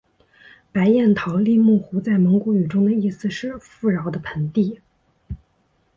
白彦陶力木湖在蒙古语中的意思是富饶的盆地。